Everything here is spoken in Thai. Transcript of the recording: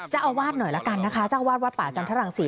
เจ้าอาวาสหน่อยละกันนะคะเจ้าอาวาสวัดป่าจันทรังศรี